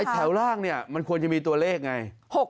ไอ้แถวล่างนี่มันควรจะมีตัวเลขไง๖๘